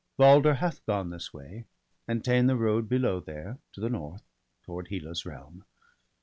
Balder hath gone this way, and ta'en the road Below there, to the north, toward Hela's realm.